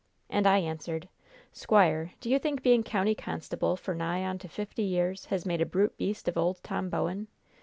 And I answered: 'Squire, do you think being county constable for nigh on to fifty years has made a brute beast of old Tom Bowen?